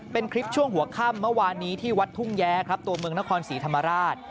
เป็นคลิปช่วงหัวค่ำเมื่อวานนี้ที่วัดทุ่งแย้ครับตัวเมืองนครศรีธรรมราช